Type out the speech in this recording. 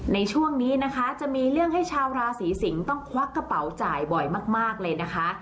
ในช่วงนี้นะคะจะมีเรื่องให้ชาวราศีสิงศ์ต้องควักกระเป๋าจ่ายบ่อยมากเลยนะคะ